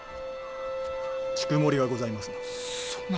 血曇りがございますな。